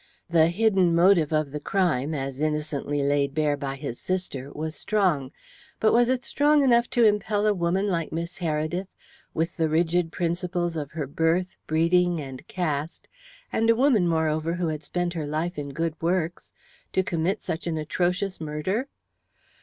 The hidden motive of the crime, as innocently laid bare by his sister, was strong, but was it strong enough to impel a woman like Miss Heredith, with the rigid principles of her birth, breeding, and caste, and a woman, moreover, who had spent her life in good works, to commit such an atrocious murder?